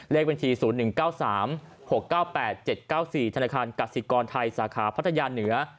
เลขบัญชี๐๑๙๓๖๙๘๗๙๔ธนาคารกสิกรไทยสาขาพัทยาเหนือ